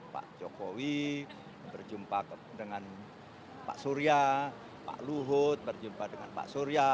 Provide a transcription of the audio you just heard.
pak jokowi berjumpa dengan pak surya pak luhut berjumpa dengan pak surya